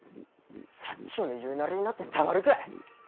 長の言うなりになってたまるかい。